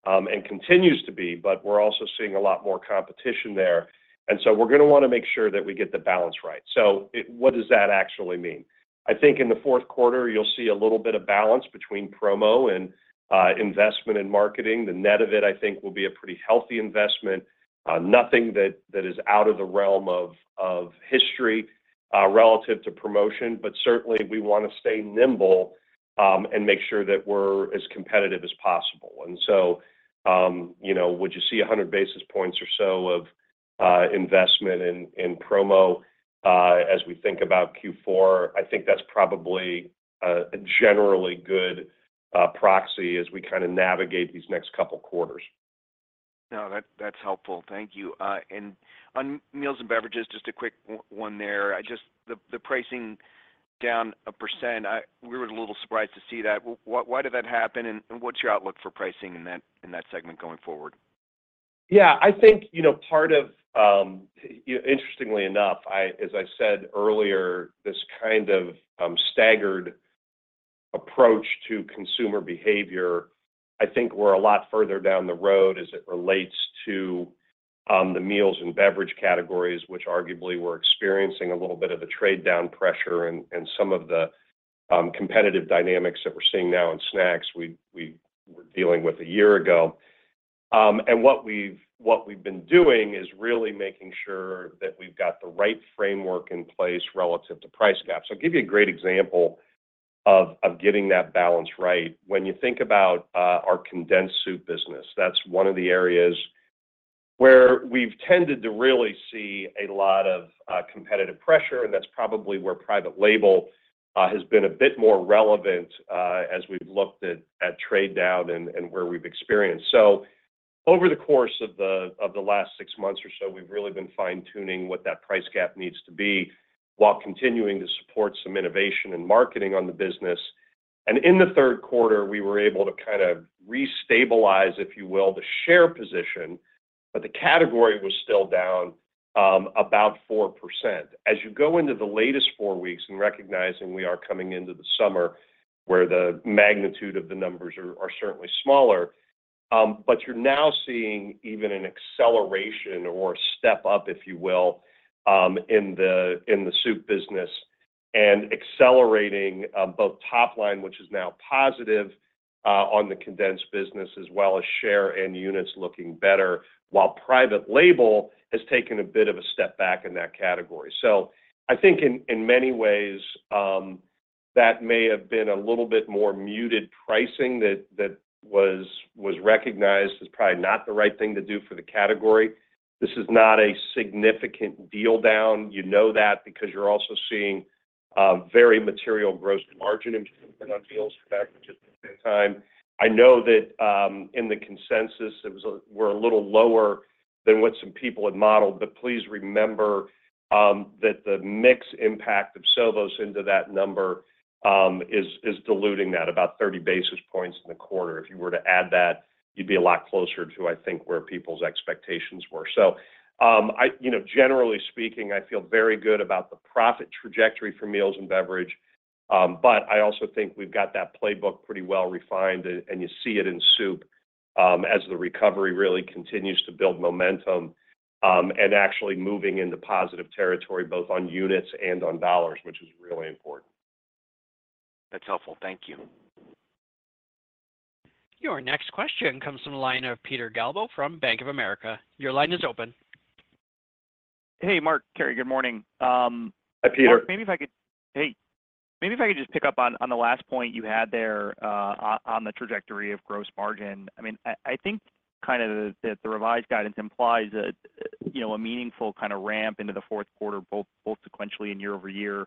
and continues to be, but we're also seeing a lot more competition there, and so we're gonna wanna make sure that we get the balance right. So, what does that actually mean? I think in the fourth quarter, you'll see a little bit of balance between promo and investment in marketing. The net of it, I think, will be a pretty healthy investment, nothing that is out of the realm of history, relative to promotion, but certainly we wanna stay nimble, and make sure that we're as competitive as possible. And so, you know, would you see 100 basis points or so of investment in promo, as we think about Q4? I think that's probably a generally good proxy as we kinda navigate these next couple quarters. No, that's helpful. Thank you. And on Meals and Beverages, just a quick one there, just the pricing down 1%, we were a little surprised to see that. Why did that happen, and what's your outlook for pricing in that segment going forward? Yeah, I think, you know, part of, interestingly enough, I, as I said earlier, this kind of, staggered approach to consumer behavior, I think we're a lot further down the road as it relates to, the meals and beverage categories, which arguably were experiencing a little bit of a trade-down pressure and, some of the, competitive dynamics that we're seeing now in snacks, we, we were dealing with a year ago. What we've, what we've been doing is really making sure that we've got the right framework in place relative to price gaps. I'll give you a great example of getting that balance right. When you think about our condensed soup business, that's one of the areas where we've tended to really see a lot of competitive pressure, and that's probably where private label has been a bit more relevant as we've looked at trade down and where we've experienced. So over the course of the last six months or so, we've really been fine-tuning what that price gap needs to be, while continuing to support some innovation and marketing on the business. And in the third quarter, we were able to kind of restabilize, if you will, the share position, but the category was still down about 4%. As you go into the latest four weeks, and recognizing we are coming into the summer, where the magnitude of the numbers are certainly smaller, but you're now seeing even an acceleration or step up, if you will, in the, in the soup business and accelerating, both top line, which is now positive, on the condensed business, as well as share and units looking better, while private label has taken a bit of a step back in that category. So I think in, in many ways, that may have been a little bit more muted pricing that was recognized as probably not the right thing to do for the category. This is not a significant deal down. You know that because you're also seeing very material gross margin improvement on deals back just-... at time. I know that, in the consensus, it was—we're a little lower than what some people had modeled, but please remember, that the mix impact of Sovos into that number, is, is diluting that about 30 basis points in the quarter. If you were to add that, you'd be a lot closer to, I think, where people's expectations were. So, you know, generally speaking, I feel very good about the profit trajectory for meals and beverage, but I also think we've got that playbook pretty well refined, and, and you see it in soup, as the recovery really continues to build momentum, and actually moving into positive territory, both on units and on dollars, which is really important. That's helpful. Thank you. Your next question comes from the line of Peter Galbo from Bank of America. Your line is open. Hey, Mark, Carrie, good morning. Hi, Peter. Mark, maybe if I could just pick up on the last point you had there, on the trajectory of gross margin. I mean, I think kinda that the revised guidance implies a, you know, a meaningful kinda ramp into the fourth quarter, both sequentially and year-over-year,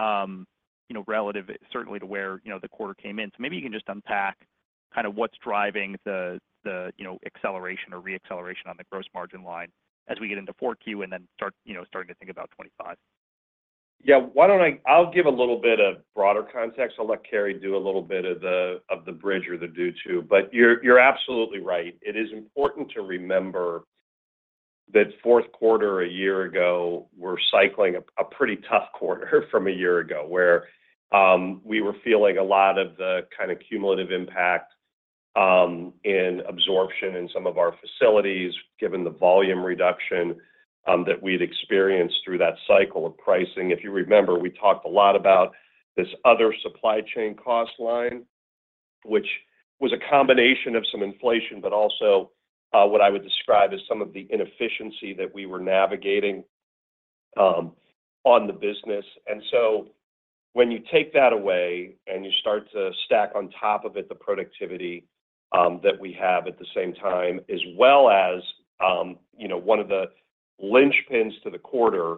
you know, relative certainly to where, you know, the quarter came in. So maybe you can just unpack kinda what's driving the, the, you know, acceleration or re-acceleration on the gross margin line as we get into 4Q and then start, you know, starting to think about 25. Yeah, why don't I, I'll give a little bit of broader context. I'll let Carrie do a little bit of the bridge or the due-to. But you're absolutely right. It is important to remember that fourth quarter a year ago, we're cycling a pretty tough quarter from a year ago, where we were feeling a lot of the kinda cumulative impact in absorption in some of our facilities, given the volume reduction that we'd experienced through that cycle of pricing. If you remember, we talked a lot about this other supply chain cost line, which was a combination of some inflation, but also what I would describe as some of the inefficiency that we were navigating on the business. When you take that away and you start to stack on top of it, the productivity that we have at the same time, as well as, you know, one of the linchpins to the quarter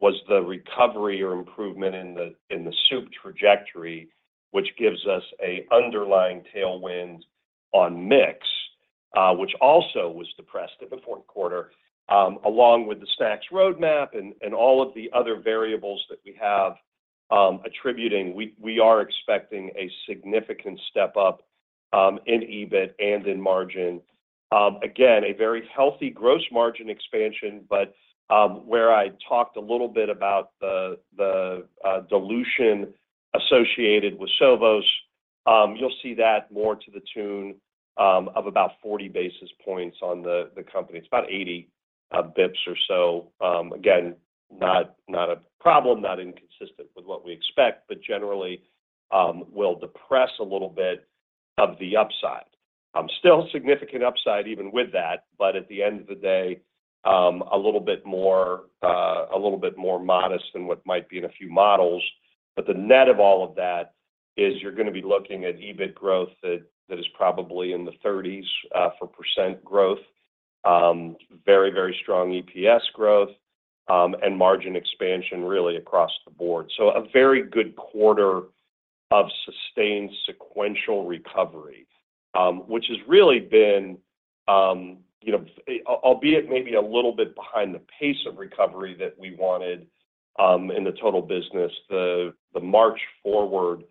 was the recovery or improvement in the soup trajectory, which gives us an underlying tailwind on mix, which also was depressed in the fourth quarter. Along with the Snacks Roadmap and all of the other variables that we have, we are expecting a significant step up in EBIT and in margin. Again, a very healthy gross margin expansion, but where I talked a little bit about the dilution associated with Sovos, you'll see that more to the tune of about 40 basis points on the company. It's about 80 basis points or so. Again, not, not a problem, not inconsistent with what we expect, but generally, will depress a little bit of the upside. Still significant upside even with that, but at the end of the day, a little bit more, a little bit more modest than what might be in a few models. But the net of all of that is you're gonna be looking at EBIT growth that, that is probably in the 30s% growth. Very, very strong EPS growth, and margin expansion, really across the board. So a very good quarter of sustained sequential recovery, which has really been, you know, albeit maybe a little bit behind the pace of recovery that we wanted, in the total business. The, the march forward,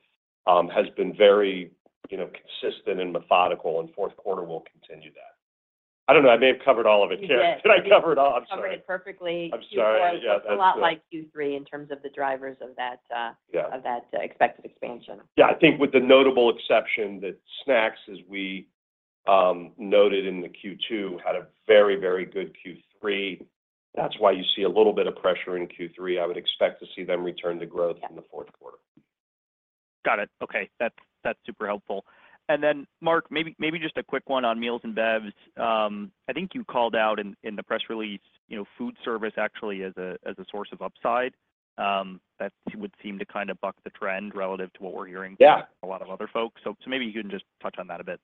has been very, you know, consistent and methodical, and fourth quarter will continue that. I don't know, I may have covered all of it, Carrie. Did I cover it all? I'm sorry. You covered it perfectly. I'm sorry. Q4- Yeah, that's good.... a lot like Q3 in terms of the drivers of that, Yeah... of that expected expansion. Yeah, I think with the notable exception that snacks, as we noted in the Q2, had a very, very good Q3. That's why you see a little bit of pressure in Q3. I would expect to see them return to growth- Yeah... in the fourth quarter. Got it. Okay. That's, that's super helpful. And then, Mark, maybe, maybe just a quick one on Meals and Bevs. I think you called out in, in the press release, you know, Foodservice actually as a, as a source of upside. That would seem to kinda buck the trend relative to what we're hearing- Yeah... from a lot of other folks. Maybe you can just touch on that a bit.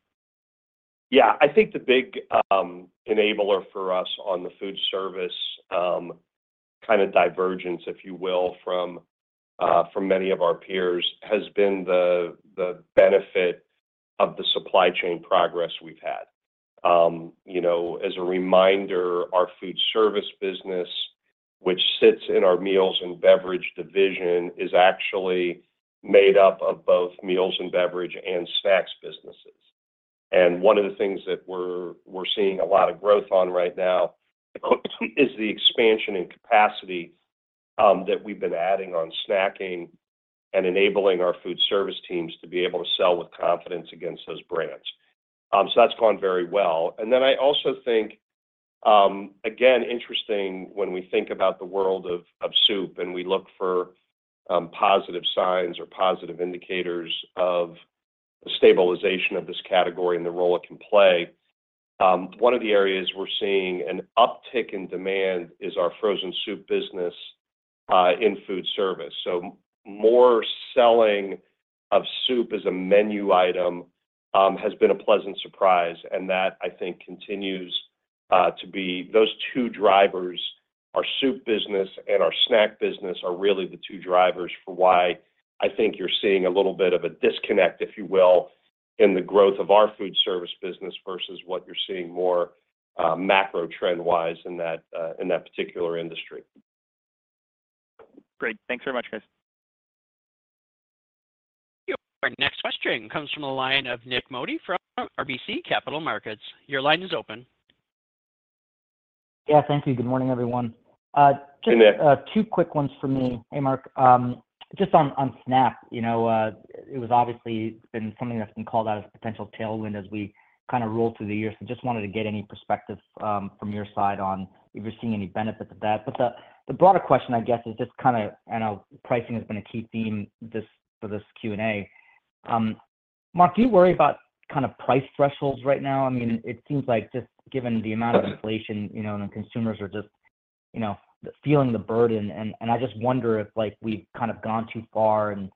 Yeah. I think the big enabler for us on the Foodservice kinda divergence, if you will, from many of our peers, has been the benefit of the supply chain progress we've had. You know, as a reminder, our Foodservice business, which sits in our meals and beverage division, is actually made up of both meals and beverage and snacks businesses. One of the things that we're seeing a lot of growth on right now is the expansion and capacity that we've been adding on snacking and enabling our Foodservice teams to be able to sell with confidence against those brands. So that's gone very well. And then I also think, again, interesting, when we think about the world of soup and we look for positive signs or positive indicators of the stabilization of this category and the role it can play, one of the areas we're seeing an uptick in demand is our frozen soup business in Foodservice. So more selling of soup as a menu item has been a pleasant surprise, and that, I think, continues to be those two drivers. Our soup business and our snack business are really the two drivers for why I think you're seeing a little bit of a disconnect, if you will, in the growth of our Foodservice business versus what you're seeing more macro trend-wise in that particular industry. Great. Thanks very much, guys. Our next question comes from the line of Nik Modi from RBC Capital Markets. Your line is open. Yeah, thank you. Good morning, everyone. Good day. Two quick ones for me. Hey, Mark. Just on SNAP, you know, it was obviously been something that's been called out as a potential tailwind as we kinda roll through the year. So just wanted to get any perspective, from your side on if you're seeing any benefit to that. But the broader question, I guess, is just kinda, I know pricing has been a key theme, this for this Q&A. Mark, do you worry about kinda price thresholds right now? I mean, it seems like just given the amount of inflation, you know, and the consumers are just, you know, feeling the burden, and I just wonder if, like, we've kind of gone too far and,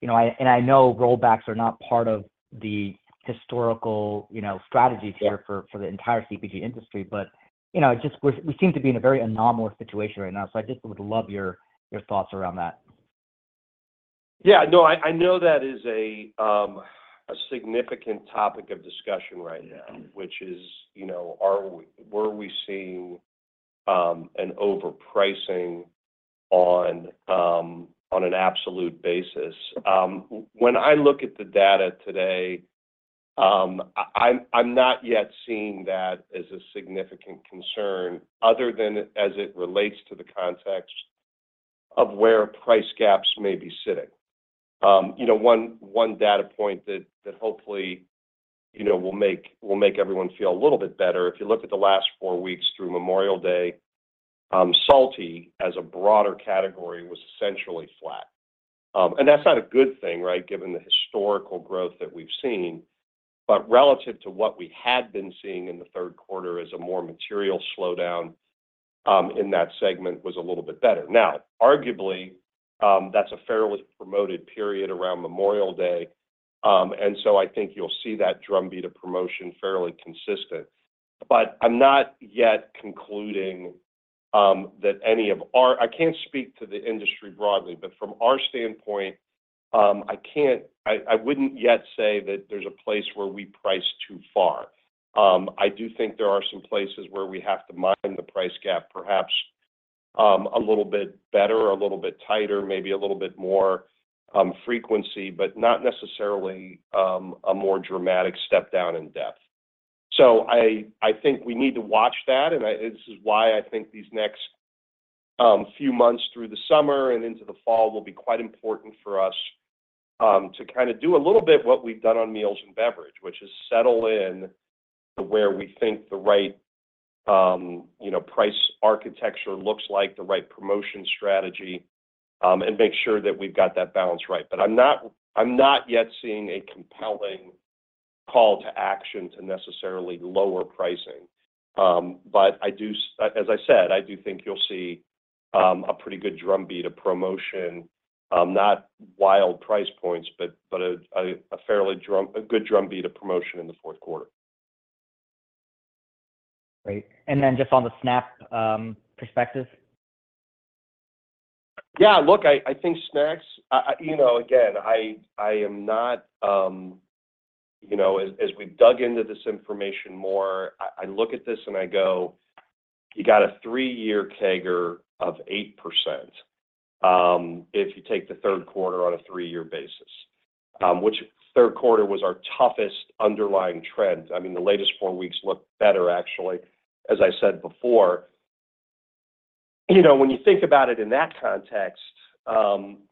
you know, and I know rollbacks are not part of the historical, you know, strategies here for the entire CPG industry, but, you know, we seem to be in a very anomalous situation right now, so I just would love your thoughts around that. Yeah, no, I know that is a significant topic of discussion right now, which is, you know, are we, were we seeing an overpricing on an absolute basis? When I look at the data today, I, I'm not yet seeing that as a significant concern other than as it relates to the context of where price gaps may be sitting. You know, one data point that hopefully will make everyone feel a little bit better. If you look at the last four weeks through Memorial Day, salty, as a broader category, was essentially flat. And that's not a good thing, right? Given the historical growth that we've seen. But relative to what we had been seeing in the third quarter as a more material slowdown in that segment was a little bit better. Now, arguably, that's a fairly promoted period around Memorial Day, and so I think you'll see that drumbeat of promotion fairly consistent. But I'm not yet concluding that any of our. I can't speak to the industry broadly, but from our standpoint, I can't. I, I wouldn't yet say that there's a place where we price too far. I do think there are some places where we have to mind the price gap, perhaps, a little bit better or a little bit tighter, maybe a little bit more frequency, but not necessarily, a more dramatic step down in depth. So I think we need to watch that, and this is why I think these next few months through the summer and into the fall will be quite important for us to kinda do a little bit what we've done on meals and beverage, which is settle in to where we think the right you know price architecture looks like, the right promotion strategy, and make sure that we've got that balance right. But I'm not yet seeing a compelling call to action to necessarily lower pricing. But I do, as I said, I do think you'll see a pretty good drumbeat of promotion, not wild price points, but a good drumbeat of promotion in the fourth quarter. Great. And then just on the snack perspective? Yeah, look, I think snacks, you know, again, I am not, you know, as we've dug into this information more, I look at this and I go, "You got a three-year CAGR of 8%," if you take the third quarter on a three-year basis, which third quarter was our toughest underlying trend. I mean, the latest four weeks look better, actually, as I said before. You know, when you think about it in that context,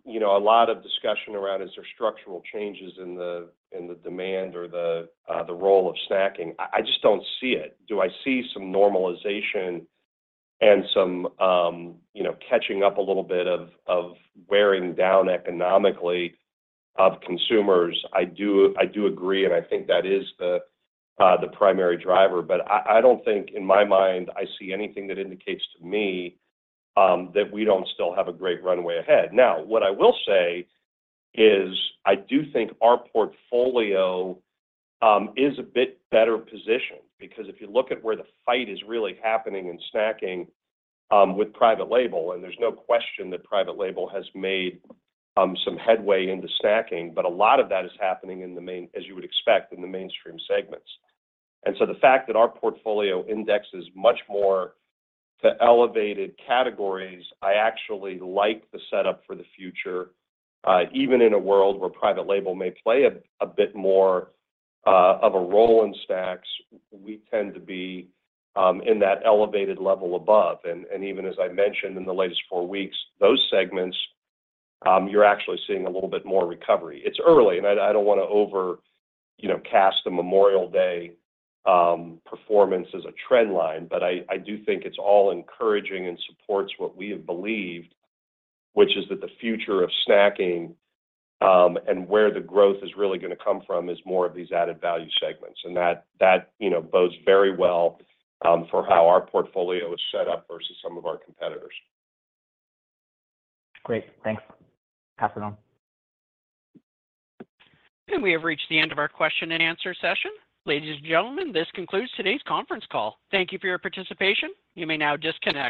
you know, a lot of discussion around is there structural changes in the demand or the role of snacking? I just don't see it. Do I see some normalization and some, you know, catching up a little bit of wearing down economically of consumers? I do, I do agree, and I think that is the primary driver, but I, I don't think in my mind, I see anything that indicates to me that we don't still have a great runway ahead. Now, what I will say is, I do think our portfolio is a bit better positioned because if you look at where the fight is really happening in snacking with private label, and there's no question that private label has made some headway into snacking, but a lot of that is happening in the main, as you would expect, in the mainstream segments. And so the fact that our portfolio index is much more the elevated categories, I actually like the setup for the future, even in a world where private label may play a bit more of a role in snacks, we tend to be in that elevated level above. And even as I mentioned in the latest four weeks, those segments, you're actually seeing a little bit more recovery. It's early, and I don't wanna over, you know, cast a Memorial Day performance as a trend line, but I do think it's all encouraging and supports what we have believed, which is that the future of snacking, and where the growth is really gonna come from is more of these added value segments, and that you know bodes very well, for how our portfolio is set up versus some of our competitors. Great. Thanks. Pass it on. We have reached the end of our question-and-answer session. Ladies, and gentlemen, this concludes today's conference call. Thank you for your participation. You may now disconnect.